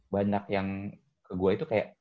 banyak yang ke gue itu kayak